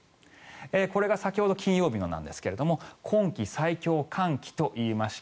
これが先ほど金曜日のものなんですが今季最強寒気といいました。